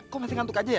kok masih ngantuk aja ya